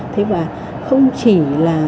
thế mà không chỉ là